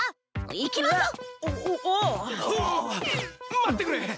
待ってくれ！